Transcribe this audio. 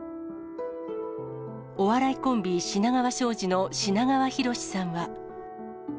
お笑いコンビ、品川庄司の品川祐さんは。